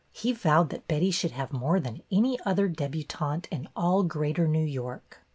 He vowed that Betty should have more than any other debutante in all Greater New York.